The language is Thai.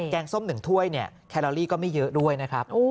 งส้ม๑ถ้วยเนี่ยแคลอรี่ก็ไม่เยอะด้วยนะครับ